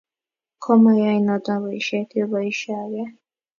Komayoe noto boishet, iboishee age